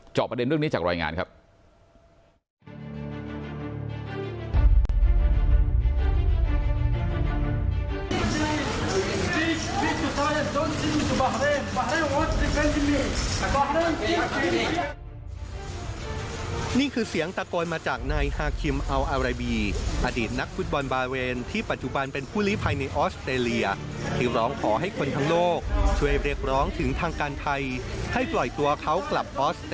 ประเด็นเรื่องนี้จากรายงานครับ